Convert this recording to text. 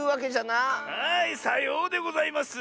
はいさようでございます！